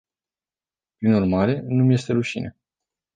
Prin urmare, nu îmi este rușine.